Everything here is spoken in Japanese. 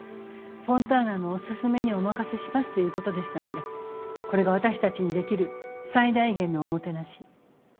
フォンターナのおすすめにお任せしますということでしたのでこれが私たちにできる最大限のおもてなし。